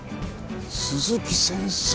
鈴木先生！